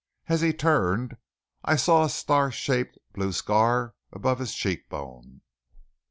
As he turned I saw a star shaped blue scar above his cheekbone.